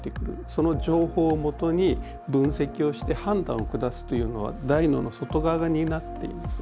その情報をもとに分析をして判断を下すというのは大脳の外側が担っています。